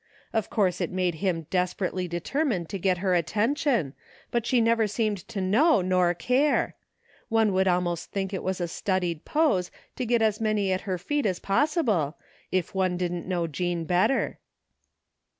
Of course it made him desperately determined to get her attention, but she never seemed to know nor care. One would almost think it was a studied pose to get as many at her feet as possible, if one didn't know Jean better."